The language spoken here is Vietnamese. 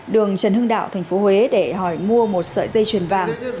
đường trần hưng đạo thành phố huế để hỏi mua một sợi dây chuyền vàng